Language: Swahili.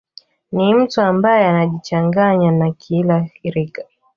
Ni mtu ambaye anajichanganya na kila rika